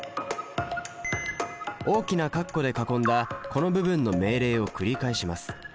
大きな括弧で囲んだこの部分の命令を繰り返します。